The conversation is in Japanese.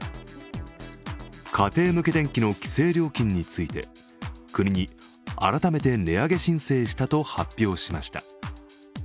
家庭向け電気の規制料金について国に改めて値上げ申請したと発表しました。